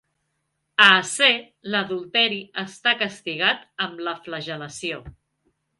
A Aceh, l'adulteri està castigat amb la flagel·lació.